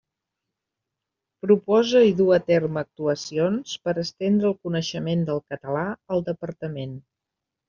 Proposa i duu a terme actuacions per estendre el coneixement del català al Departament.